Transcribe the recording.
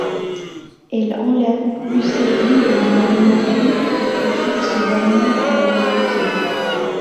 Elle enlève Usagi et Mamoru et force ce dernier à l'épouser.